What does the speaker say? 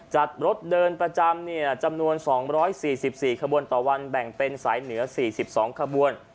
จัดรถเดินประจำจำนวน๒๔๔ขบวนต่อวันแบ่งเป็นสายเหนือ๔๒ขบวน